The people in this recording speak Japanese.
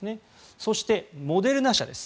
そして、モデルナ社です。